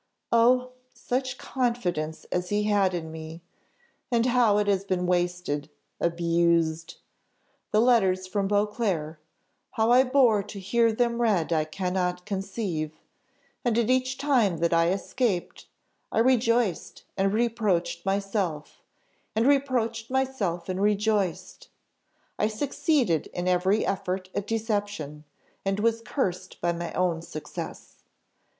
Oh, such confidence as he had in me and how it has been wasted, abused! Then letters from Beauclerc how I bore to hear them read I cannot conceive: and at each time that I escaped, I rejoiced and reproached myself and reproached myself and rejoiced. I succeeded in every effort at deception, and was cursed by my own success.